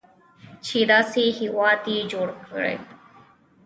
چې داسې هیواد یې جوړ کړی.